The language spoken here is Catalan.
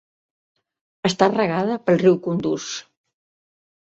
Està regada pel riu Kunduz.